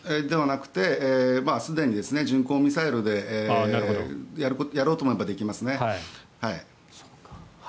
ではなくてすでに巡航ミサイルでやろうと思えばできますね。